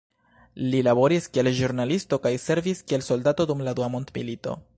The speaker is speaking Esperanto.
Li laboris kiel ĵurnalisto kaj servis kiel soldato dum la Dua mondmilito.